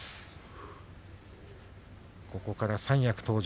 ここから三役登場。